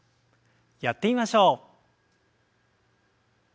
やってみましょう。